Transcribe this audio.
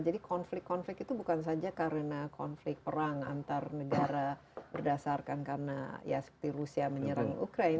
jadi konflik konflik itu bukan saja karena konflik perang antar negara berdasarkan karena ya seperti rusia menyerang ukraine